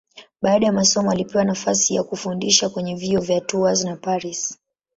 Baada ya masomo alipewa nafasi ya kufundisha kwenye vyuo vya Tours na Paris.